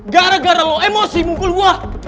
gara gara lo emosi mungkul gua